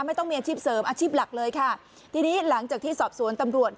ไม่ต้องมีอาชีพเสริมอาชีพหลักเลยค่ะทีนี้หลังจากที่สอบสวนตำรวจ